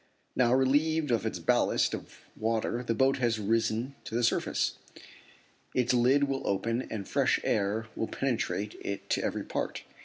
Now relieved of its ballast of water the boat has risen to the surface. Its lid will open and fresh air will penetrate it to every part.